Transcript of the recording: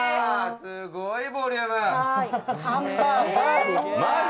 すごいボリューム！